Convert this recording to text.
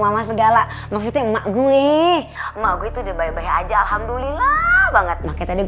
mama segala maksudnya emak gue emak gue tuh udah bayar bayar aja alhamdulillah banget makanya tadi